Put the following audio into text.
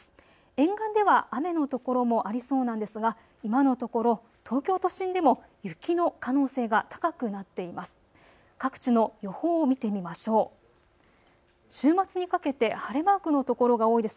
沿岸では雨のところ所もありそうなんですが、今のところ東京都心でも雪の可能性が高くなっています。